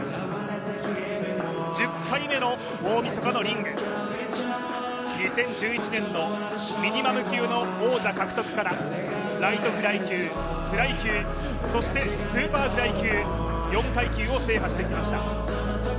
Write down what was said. １０回目の大みそかのリング、２０１１年のミニマム級の王座獲得からライトフライ級、フライ級、そしてスーパーフライ級４階級を制覇してきました。